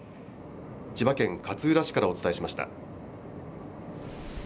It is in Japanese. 千葉県勝浦市からお伝えしました。